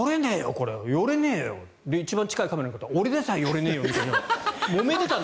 これ寄れねえよ一番近いカメラの方俺でさえ寄れねえよみたいな。